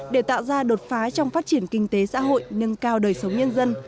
để tạo ra đột phá trong phát triển kinh tế xã hội nâng cao đời sống nhân dân